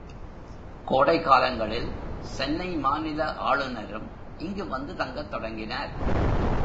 கோடைக்காலங்களில், சென்னை மாநில ஆளுநரும் இங்கு வந்து தங்கத் தொடங்கினார்.